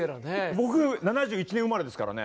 僕７１年生まれですからね。